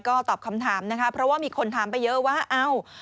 ก็ตอบคำถามนะคะเพราะว่ามีคนถามไปเยอะว่าเอ้า